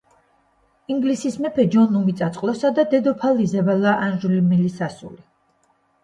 ინგლისის მეფე ჯონ უმიწაწყლოსა და დედოფალ იზაბელა ანჟულიმელის ასული.